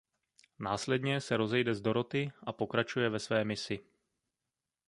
Následně se rozejde s Dorothy a pokračuje ve své misi.